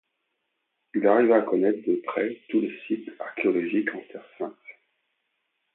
Il arriva à connaître de près tous les sites archéologiques en Terre Sainte.